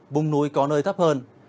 bùng núi có nơi thấp hơn